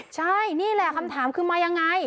ใช่นี่แหละคำถามคือมายังไง